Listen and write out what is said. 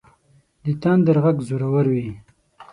د تندر غږ زورور وي.